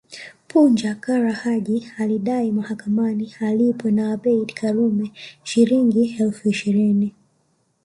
Punja Kara Haji alidai mahakamani alipwe na Abeid Karume Shilingi elfu ishirini